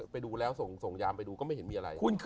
ไปดูแล้วส่งยามไปดูก็ไม่เห็นมีอะไร